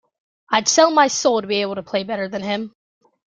I’d sell my soul to be able to play better than him.